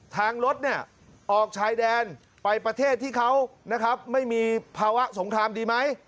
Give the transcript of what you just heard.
ทางรถออกชายแดนไปประเทศที่เขาไม่มีภาวะสงครามดีไหม